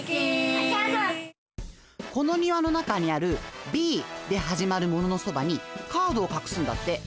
このにわの中にあるＢではじまるもののそばにカードをかくすんだって。